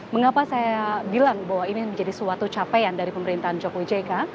mengapa saya bilang bahwa ini menjadi suatu capaian dari pemerintahan jokowi jk